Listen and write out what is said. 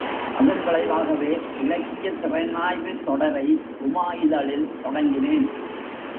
அதன் விளைவாகவே இலக்கியத் திறனாய்வுத் தொடரை உமா இதழில் தொடங்கினேன்.